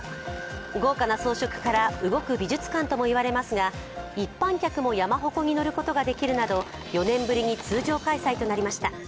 豪華な装飾から動く美術館とも言われますが一般客も山鉾に乗ることができるなど４年ぶりに通常開催となりました。